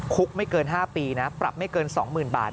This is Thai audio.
คุกไม่เกิน๕ปีนะปรับไม่เกิน๒๐๐๐บาท